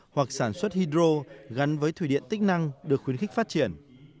hoặc sản xuất hydro gắn với thủy điện tích năng được khuyến khích phát triển